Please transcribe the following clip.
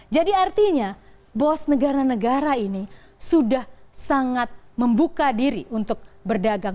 jadi artinya bos negara negara ini sudah sangat membuka diri untuk berdagang